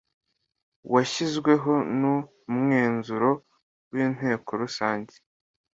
weshyizweho n’umwenzuro w’Inteko Rusenge